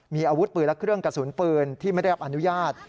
มีอาวุธปืนและเครื่องกระสุนปืนที่ไม่ได้รับอนุญาต